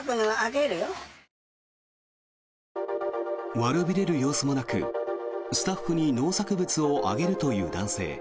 悪びれる様子もなくスタッフに農作物をあげるという男性。